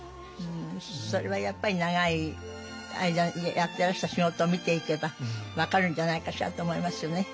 それはやっぱり長い間やってらした仕事を見ていけば分かるんじゃないかしらと思いますよね。